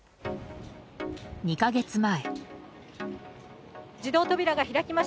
２か月前。